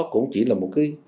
cũng chỉ là một cái